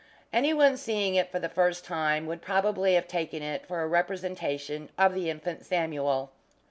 Anyone seeing it for the first time would probably have taken it for a representation of the Infant Samuel.